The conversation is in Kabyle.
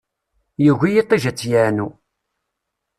Yugi yiṭij ad tt-yeɛnu.